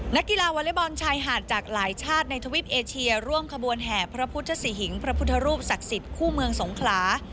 นักกีฬาวอเล็กบอลชายหาดจากหลายชาติในทวิปเอเชียร่วมขบวนแห่พระพุทธศรีหิงพระพุทธรูปศักดิ์สิทธิ์คู่เมืองสงขลา